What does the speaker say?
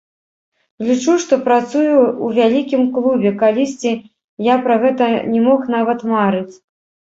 Лічу, што працую ў вялікім клубе, калісьці я пра гэта не мог нават марыць.